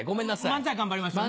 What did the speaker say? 漫才頑張りましょうね。